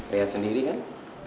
lihat sendiri kan